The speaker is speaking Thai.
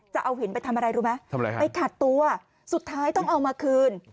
จะเอาหินไปทำอะไรรู้ไหมไปขัดตัวสุดท้ายต้องเอามาคืน